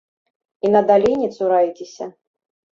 І надалей не цурайцеся.